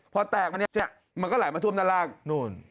พอแตกมาเนี่ยมันก็ไหลมาท่วมด้านล่างนู่น